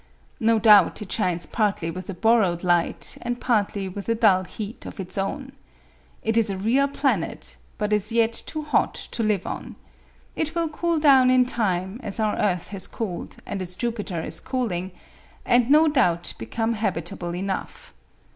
No doubt it shines partly with a borrowed light and partly with a dull heat of its own. It is a real planet, but as yet too hot to live on. It will cool down in time, as our earth has cooled and as Jupiter is cooling, and no doubt become habitable enough.